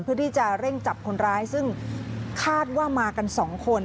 เพื่อที่จะเร่งจับคนร้ายซึ่งคาดว่ามากันสองคน